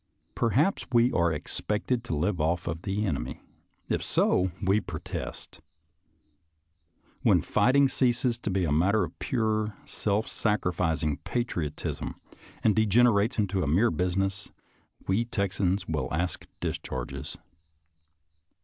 Perhaps we are expected to live off of the enemy ; if so, we protest. When fight ing ceases to be a matter of pure, self sacrificing patriotism, and degenerates into a mere business, we Texans will ask discharges.